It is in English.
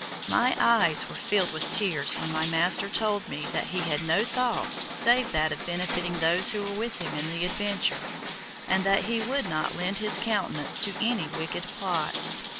My eyes were filled with tears when my master told me that he had no thought save that of benefiting those who were with him in the adventure, and that he would not lend his countenance to any wicked plot.